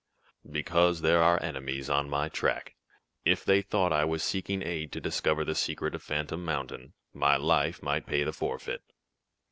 "Because there are enemies on my track. If they thought I was seeking aid to discover the secret of Phantom Mountain, my life might pay the forfeit."